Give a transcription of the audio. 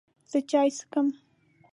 زه چای څښم.